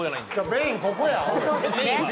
メインここや！